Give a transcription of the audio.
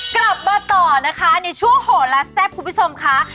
กลับมาต่อนะคะในช่วงโหลาแซ่บคุณผู้ชมค่ะ